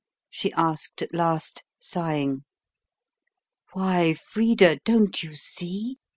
she asked at last, sighing. "Why, Frida, don't you see?"